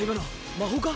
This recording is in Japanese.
魔法か？